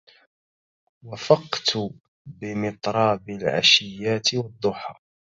وفقت بمطراب العشيات والضحى